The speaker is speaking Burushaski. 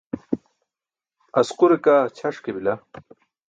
Asqure kaa ćʰaṣ ke bila.